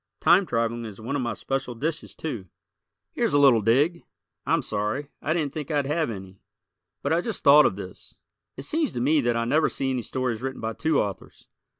Time traveling is one of my special dishes, too. Here's a little dig. I'm sorry, I didn't think I'd have any, but I just thought of this. It seems to me that I never see any stories written by two authors.